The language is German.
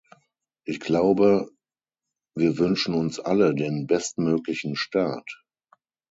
Ich glaube, wir wünschen uns alle den bestmöglichen Start.